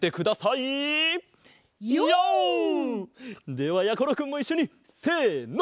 ではやころくんもいっしょにせの。